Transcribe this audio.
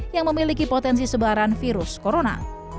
yang memiliki potensi sebaran virus corona